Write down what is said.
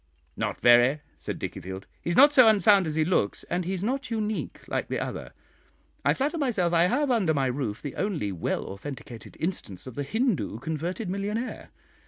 "Not very," said Dickiefield; "he is not so unsound as he looks, and he is not unique, like the other. I flatter myself I have under my roof the only well authenticated instance of the Hindoo converted millionaire.